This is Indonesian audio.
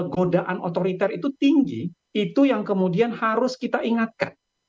godaan otoriter itu tinggi itu yang kemudian harus kita ingatkan